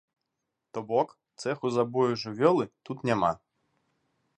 То бок, цэху забою жывёлы тут няма.